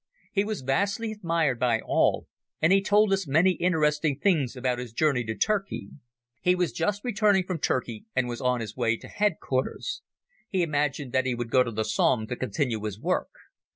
He was vastly admired by all and he told us many interesting things about his journey to Turkey. He was just returning from Turkey and was on the way to Headquarters. He imagined that he would go to the Somme to continue his work.